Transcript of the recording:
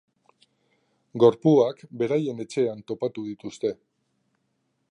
Gorpuak beraien etxean topatu dituzte.